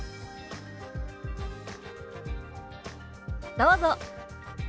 どうぞ。